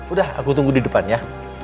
udah aku tunggu di depan ya